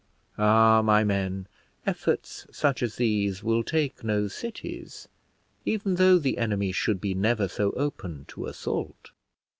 Ah, my men, efforts such as these will take no cities, even though the enemy should be never so open to assault.